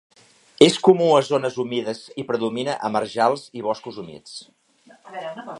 És comú a zones humides i predomina a marjals i boscos humits.